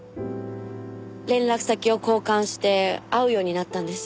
連絡先を交換して会うようになったんです。